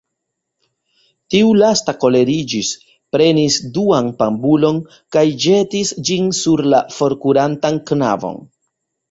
Tiu lasta koleriĝis, prenis duan panbulon kaj ĵetis ĝin sur la forkurantan knabon.